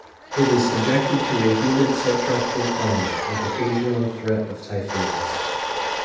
It is subjected to a humid subtropical climate, with occasional threat of typhoons.